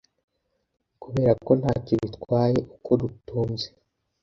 Kuberako ntacyo bitwaye uko dutunze